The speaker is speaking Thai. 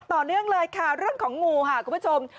ต่อเนื่องเลยค่ะเรื่องของงูค่ะคุณผู้ชม